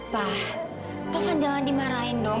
pak toko jangan dimarahin dong